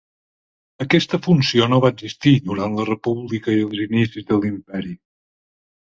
Aquesta funció no va existir durant la República i els inicis de l'Imperi.